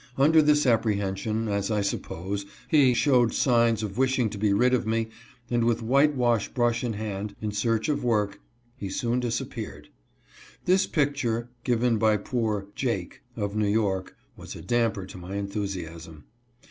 Under this apprehension, as I suppose, he showed signs of wishing to be rid of me, and with whitewash brush in hand, in search of work, he soon dis appeared. This picture, given by poor " Jake," of New York, was a damper to my enthusiasm.